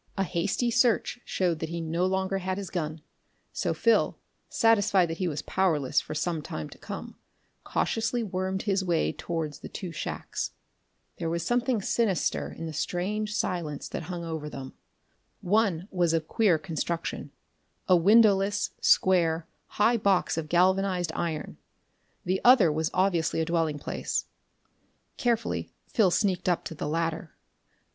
A hasty search showed that he no longer had his gun, so Phil, satisfied that he was powerless for some time to come, cautiously wormed his way towards the two shacks. There was something sinister in the strange silence that hung over them. One was of queer construction a windowless, square, high box of galvanized iron. The other was obviously a dwelling place. Carefully Phil sneaked up to the latter.